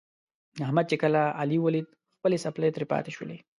احمد چې کله علي ولید خپلې څپلۍ ترې پاتې شولې.